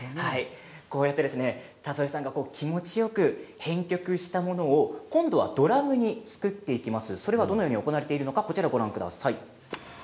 田添さんが気持ちよく編曲したものを今度はドラムに作っていきます。